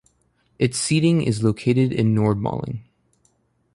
Its seat is located in Nordmaling.